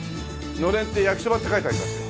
のれんに「焼きそば」って書いてありますよ。